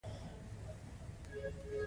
اداره له یوه ځانګړي ټولنیز نظام څخه عبارت ده.